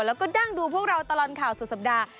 แล้วก็นั่งดูพวกเราตลอดข่าวสุดสัปดาห์